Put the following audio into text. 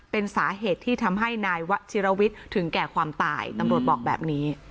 เป็นสาเหตุที่ทำให้นายวะชิรวิทย์ถึงแก่ความตายตำรวจบอกแบบนี้